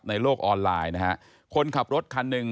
ในโลกออนไลน์นะฮะคนขับรถคันหนึ่ง